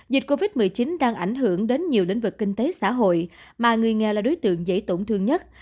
dịch covid một mươi chín đang ảnh hưởng đến nhiều lĩnh vực kinh tế xã hội mà người nghèo là đối tượng dễ tổn thương nhất